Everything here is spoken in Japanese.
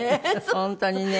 本当にね。